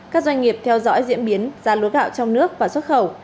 các doanh nghiệp theo dõi diễn biến giá lúa gạo trong nước và xuất khẩu